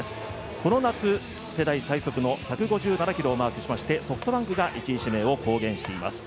この夏、世代最速の１５７キロをマークしまして、ソフトバンクが１位指名を公言しています。